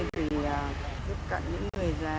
vì giúp cận những người già